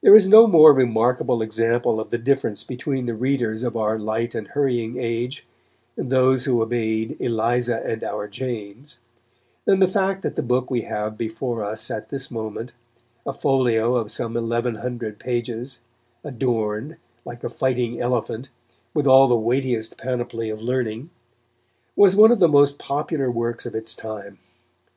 There is no more remarkable example of the difference between the readers of our light and hurrying age and those who obeyed "Eliza and our James," than the fact that the book we have before us at this moment, a folio of some eleven hundred pages, adorned, like a fighting elephant, with all the weightiest panoply of learning, was one of the most popular works of its time.